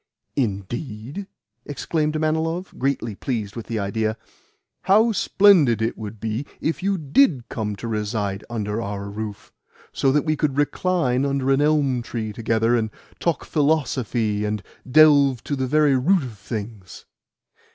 "Indeed?" exclaimed Manilov, greatly pleased with the idea. "How splendid it would be if you DID come to reside under our roof, so that we could recline under an elm tree together, and talk philosophy, and delve to the very root of things!"